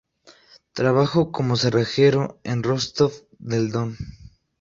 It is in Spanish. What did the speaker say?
Trabajó como cerrajero en Rostov del Don.